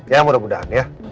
ya mudah mudahan ya